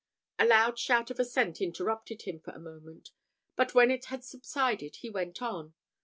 A loud shout of assent interrupted him for a moment; but when it had subsided he went on.